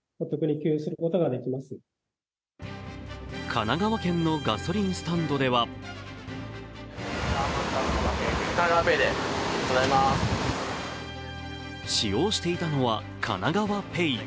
神奈川県のガソリンスタンドでは使用していたのは、かながわＰａｙ。